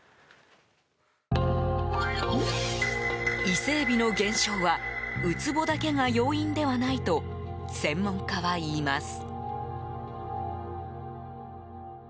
イセエビの減少はウツボだけが要因ではないと専門家はいいます。